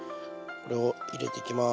これを入れていきます。